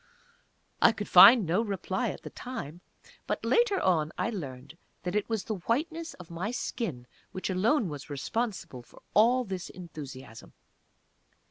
I could find no reply at the time, but later on I learned that it was the whiteness of my skin which alone was responsible for all this enthusiasm.